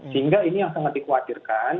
sehingga ini yang sangat dikhawatirkan